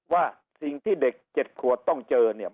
ว่าสิ่งที่เด็ก๗ขวบต้องเจอเนี่ย